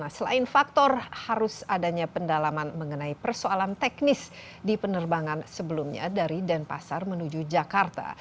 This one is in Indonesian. selain faktor harus adanya pendalaman mengenai persoalan teknis di penerbangan sebelumnya dari denpasar menuju jakarta